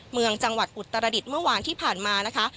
เมืองจังหวัดอุตรดิษฐ์เมื่อวานที่ผ่านมานะคะ